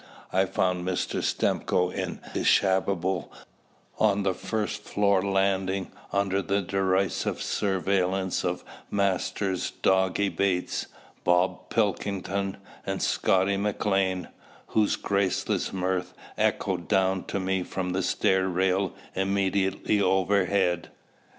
I found Mr. Stimcoe in deshabille, on the first floor landing, under the derisive surveillance of Masters Doggy Bates, Bob Pilkington, and Scotty Maclean, whose graceless mirth echoed down to me from the stair rail immediately overhead.